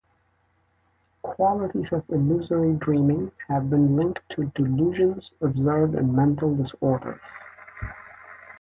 Qualities of illusory dreaming have been linked to delusions observed in mental disorders.